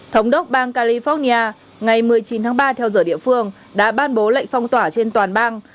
thống đốc bang california ngày một mươi chín tháng ba theo giờ địa phương đã ban bố lệnh phong tỏa trên toàn bang